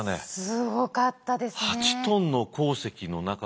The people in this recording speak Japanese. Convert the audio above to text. すごかったですね。